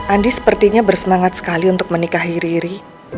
andi sepertinya bersemangat sekali untuk menikahi riri